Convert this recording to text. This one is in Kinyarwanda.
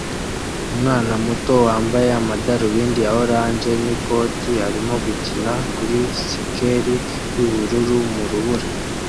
Umwana muto wambaye amadarubindi ya orange n'ikoti arimo gukina kuri sikeli y'ubururu mu rubura